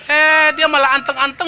eh dia malah anten anten